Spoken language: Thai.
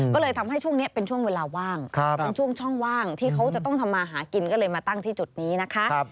ก็เลยทำให้ช่วงนี้เป็นช่วงเวลาว่างเป็นช่วงช่องว่างที่เขาจะต้องทำมาหากินก็เลยมาตั้งที่จุดนี้นะคะ